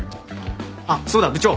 あっそうだ部長。